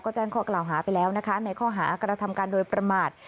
ก็แจ้งข้อกล่าวหาไปแล้วนะคะในข้อหากระทำการโดยประมาท